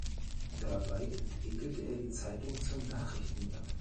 Dabei entwickelte er die Zeitung zum Nachrichtenblatt.